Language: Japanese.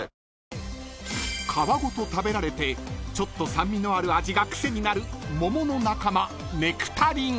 ［皮ごと食べられてちょっと酸味のある味が癖になる桃の仲間ネクタリン］